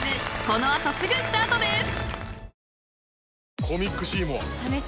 ［この後すぐスタートです］